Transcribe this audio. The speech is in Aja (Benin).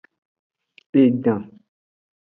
Edan.